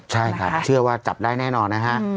ใช่ครับเชื่อว่าจับได้แน่นอนนะฮะ